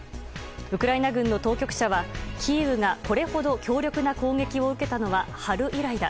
ウクライナ軍の当局者はキーウがこれほど強力な攻撃を受けたのは春以来だ。